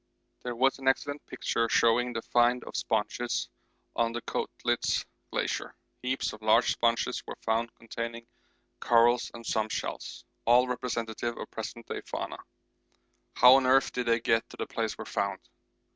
There was an excellent picture showing the find of sponges on the Koettlitz Glacier. Heaps of large sponges were found containing corals and some shells, all representative of present day fauna. How on earth did they get to the place where found?